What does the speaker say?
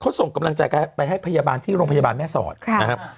เขาส่งกำลังใจไปให้พยาบาลที่โรงพยาบาลแม่สอดนะครับ